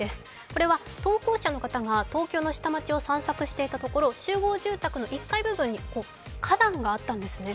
これは投稿者の方が、東京の下町を散策していたところ、集合住宅の１階部分に花壇があったんですね。